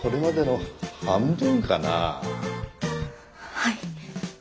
はい。